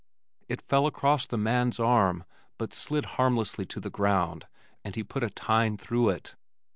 It fell across the man's arm but slid harmlessly to the ground, and he put a tine through it.